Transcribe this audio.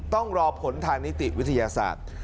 ต้องรอผลทางนิติวิทยาศาสตร์